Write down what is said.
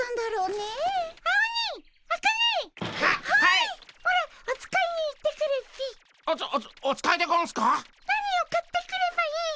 何を買ってくればいいっピ？